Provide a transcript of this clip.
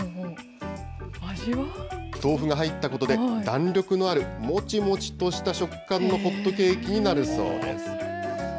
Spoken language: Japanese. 豆腐が入ったことで、弾力のあるもちもちとした食感のホットケーキになるそうです。